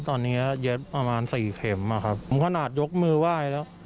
ตอนนี้เย็บประมาณสี่เข็มอะครับผมขนาดยกมือไหว้แล้ว